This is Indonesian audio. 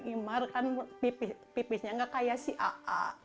aymar kan pipisnya tidak seperti si a'a